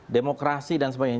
demokrasi dan sebagainya